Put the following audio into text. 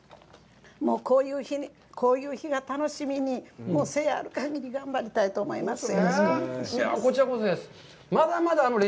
もうこういう日が楽しみに、生ある限り頑張りたいと思います。